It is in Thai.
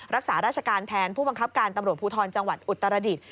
รักษาราชการแทนผู้บังคับการตำรวจภูทรจังหวัดอุตรดิษฐ